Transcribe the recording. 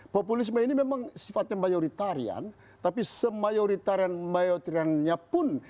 populisme ini memang sifatnya mayoritarian tapi semayoritarian mayoriannya pun